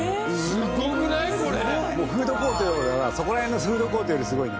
すごい！フードコートよりもそこら辺のフードコートよりすごいな。